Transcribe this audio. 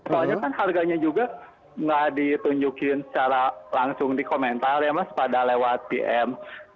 soalnya kan harganya juga nggak ditunjukin secara langsung di komentar ya mas pada lewat pm